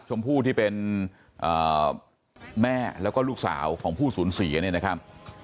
ชมผู้ที่เป็นแม่แล้วก็ลูกสาวของผู้ศูนย์ศรีนะครับ